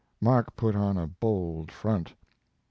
Mark put on a bold front.